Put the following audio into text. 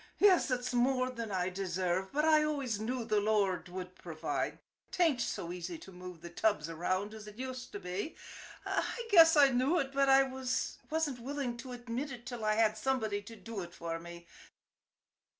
' Yes, ut's more than I deserve ; but I always knew the Lord wud provide. 'Tain't so easy to move the tubs around as it uster be. I guess I knew it, but I wasn't willin' to admit it till I had somebody to do it for me.